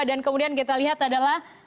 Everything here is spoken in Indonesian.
dan kemudian kita lihat adalah